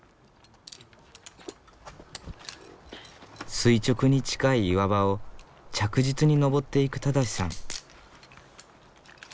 垂直に近い岩場を着実に登っていく正さん。